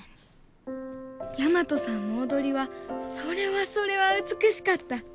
大和さんの踊りはそれはそれは美しかった。